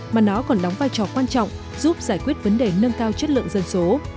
mà nó còn đóng vai trò quan trọng giúp giải quyết vấn đề nâng cao chất lượng dân số